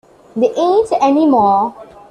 There ain't any more.